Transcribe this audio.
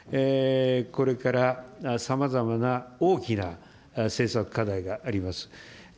これからさまざまな大きな政策課題があります。